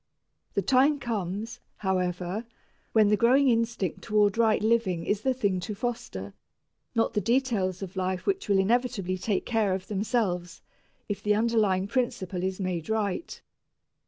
The time comes, however, when the growing instinct toward right living is the thing to foster not the details of life which will inevitably take care of themselves if the underlying principle is made right.